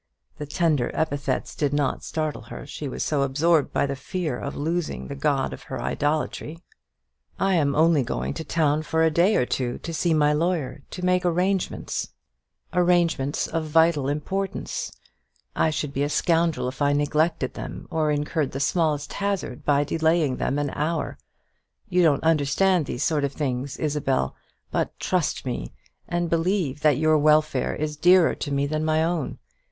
the tender epithets did not startle her; she was so absorbed by the fear of losing the god of her idolatry, "I am only going to town for a day or two to see my lawyer to make arrangements arrangements of vital importance; I should be a scoundrel if I neglected them, or incurred the smallest hazard by delaying them an hour. You don't understand these sort of things, Isabel; but trust me, and believe that your welfare is dearer to me than my own.